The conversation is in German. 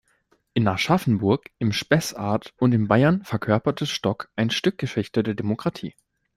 In Aschaffenburg, im Spessart und in Bayern verkörperte Stock ein Stück Geschichte der Demokratie.